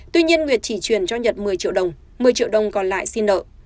tuy nhiên nguyệt chỉ truyền cho nhật một mươi triệu đồng một mươi triệu đồng còn lại xin nợ